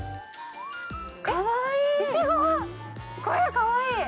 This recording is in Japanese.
これ、かわいい。